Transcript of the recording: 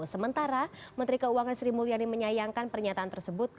sementara menteri keuangan sri mulyani menyayangkan pernyataan tersebut